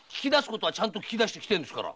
ちゃんと聞き出してきてるんですから。